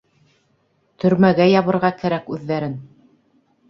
— Төрмәгә ябырға кәрәк үҙҙәрен!